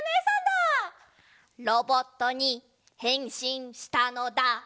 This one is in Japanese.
ロボットにへんしんしたのだ。